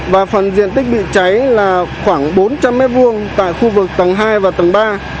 và phần diện tích bị cháy là khoảng bốn trăm linh m hai tại khu vực tầng hai và tầng ba